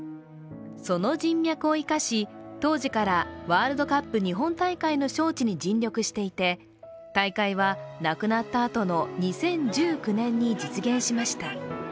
その人脈を生かし、当時からワールドカップ日本大会の招致に尽力していて大会は亡くなったあとの２０１９年に実現しました。